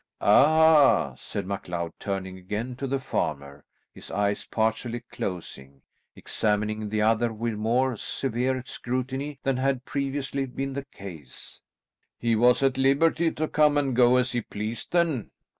"Ah," said McLeod turning again to the farmer, his eyes partially closing, examining the other with more severe scrutiny than had previously been the case. "He was at liberty to come and go as he pleased, then?"